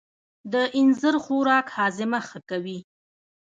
د اینځر خوراک هاضمه ښه کوي.